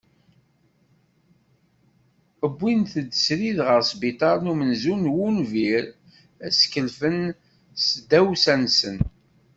Uwin-ten srid ɣer sbiṭar n umenzu n wunbir ad skelfen s tdawsa-nsen.